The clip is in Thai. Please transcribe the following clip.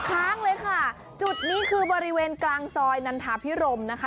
ค้างเลยค่ะจุดนี้คือบริเวณกลางซอยนันทาพิรมนะคะ